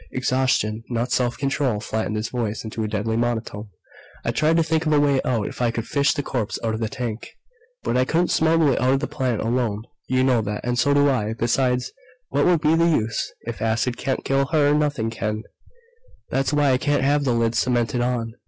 Exhaustion, not self control, flattened his voice to a deadly monotone. "I tried to think of a way out. If I could fish the corpse out of the tank! But I couldn't smuggle it out of the plant alone. You know that, and so do I. Besides, what would be the use? If acid can't kill her, nothing can. "That's why I can't have the lid cemented on.